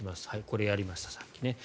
これはやりました、さっき。